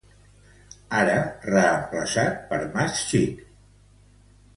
Ara, reemplaçat per Más Chic.